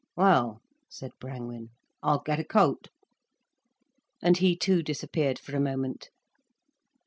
"Well," said Brangwen, "I'll get a coat." And he too disappeared for a moment.